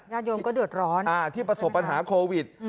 ญาติโยมก็เดือดร้อนอ่าที่ประสบปัญหาโควิดอืม